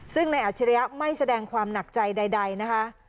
ซึ่งนายอัจฉริยะไม่แสดงความหนักใจใดนะคะ